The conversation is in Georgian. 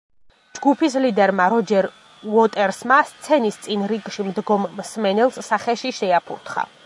ჯგუფის ლიდერმა, როჯერ უოტერსმა სცენის წინ რიგში მდგომ მსმენელს სახეში შეაფურთხა.